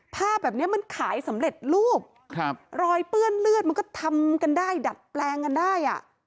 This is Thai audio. ภาพแบบนี้มันขายสำเร็จรูปครับรอยเปื้อนเลือดมันก็ทำกันได้ดัดแปลงกันได้อ่ะ